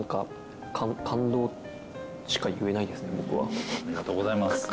ありがとうございます。